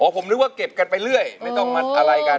ผมนึกว่าเก็บกันไปเรื่อยไม่ต้องมาอะไรกัน